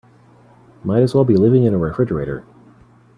Might as well be living in a refrigerator.